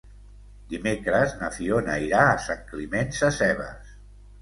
Dimecres na Fiona irà a Sant Climent Sescebes.